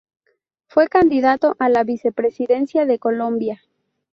Fue candidato a la Vicepresidencia de Colombia.